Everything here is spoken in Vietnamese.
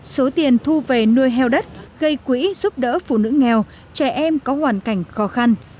số tiền thu về nuôi heo đất gây quỹ giúp đỡ phụ nữ nghèo trẻ em có hoàn cảnh khó khăn